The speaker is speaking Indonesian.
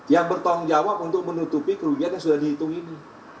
yang bertanggung jawab untuk menutupi kerugian yang sudah dihitung ini